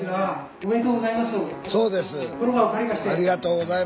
ありがとうございます。